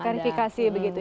terverifikasi begitu ya